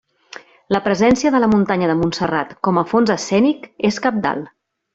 La presència de la muntanya de Montserrat com a fons escènic és cabdal.